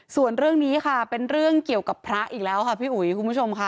ส่วนเรื่องนี้ค่ะเป็นเรื่องเกี่ยวกับพระอีกแล้วค่ะพี่อุ๋ยคุณผู้ชมค่ะ